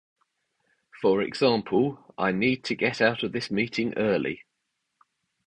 For example, "I need to get out of this meeting early."